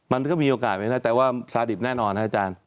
มันก็มีโอกาสไงแต่ศาสตรีภแน่นอนไอ้จาร